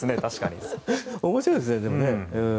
面白いですね、でも。